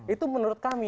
itu menurut kami